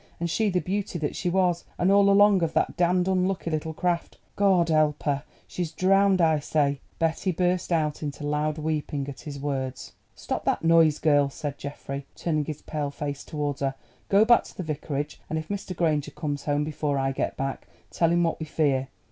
and she the beauty that she was; and all along of that damned unlucky little craft. Goad help her! She's drowned, I say——" Betty burst out into loud weeping at his words. "Stop that noise, girl," said Geoffrey, turning his pale face towards her. "Go back to the Vicarage, and if Mr. Granger comes home before I get back, tell him what we fear.